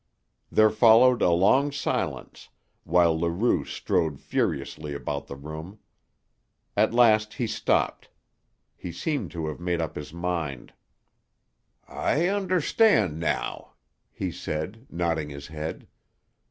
There followed a long silence, while Leroux strode furiously about the room. At last he stopped; he seemed to have made up his mind. "I understand now," he said, nodding his head.